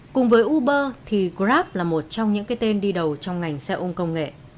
cùng với uber thì grab là một trong những cái tên đi đầu trong ngành xe ôm công nghệ